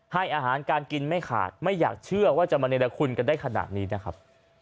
ให้อาหารการกินไม่ขาดไม่อยากเชื่อว่าจะมาเนรคุณกันได้ขนาดนี้นะครับ